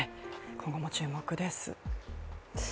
今後も注目です。